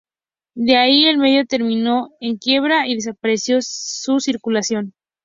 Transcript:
De ahí el medio terminó en quiebra y desapareció su circulación.